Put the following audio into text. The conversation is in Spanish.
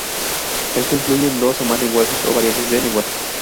Estos incluyen dos o más lenguajes o variantes de lenguajes.